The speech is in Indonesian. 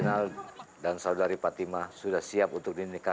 sampai jumpa di video selanjutnya